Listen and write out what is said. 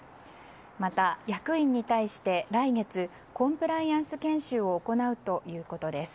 また、役員に対して来月コンプライアンス研修を行うということです。